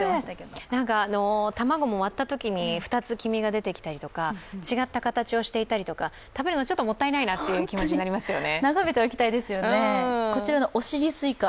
卵も割ったときに２つ黄身が出てきたりとか違った形をしていたりとか食べるのもったいないなって気持ちがありますね。